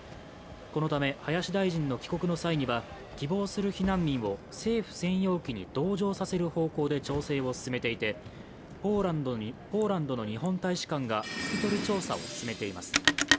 このため林大臣の帰国の際には希望する避難民を政府専用機に同乗させる方向で調整を進めていて、ポーランドの日本大使館が聞き取り調査を進めています。